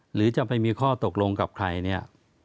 หรือจะไปมีข้อตกลงกับใครเนี่ย